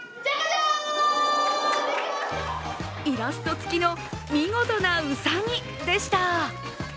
イラスト付きの見事なうさぎでした。